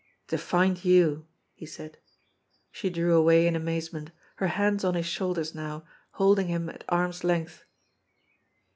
"To find you," he said. She drew away in amazement, her hands on his shoulders now, holding him at arms' length.